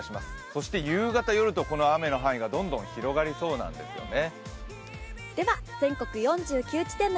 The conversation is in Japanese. そして夕方、夜と雨の範囲が広がりそうなんですね。